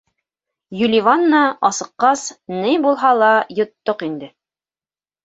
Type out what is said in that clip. — Юливанна, асыҡҡас, ни булһа ла йоттоҡ инде.